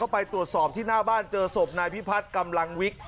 ไปตรวจสอบที่หน้าบ้านเจอศพนายพิพัฒน์กำลังวิก